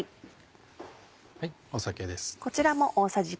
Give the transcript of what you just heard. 酒です。